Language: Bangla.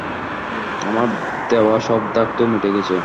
আমার দেওয়া সব দাগ তো মিটে গেছে।